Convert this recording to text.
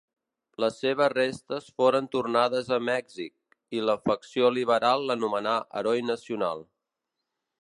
Les seves restes foren tornades a Mèxic, i la facció liberal l'anomenà heroi nacional.